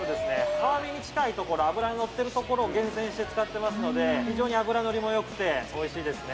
皮目に近いところ脂がのってるところを厳選して使ってますので非常に脂のりもよくておいしいですね。